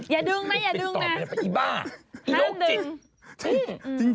อย่าติดต่อไปเลยไอ้บ้าอี้โลศิษฐ์